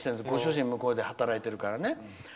ご主人、向こうで働いてるから。